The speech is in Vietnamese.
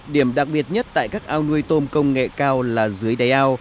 điểm đặc biệt nhất tại các ao nuôi tôm công nghệ cao là dưới đáy ao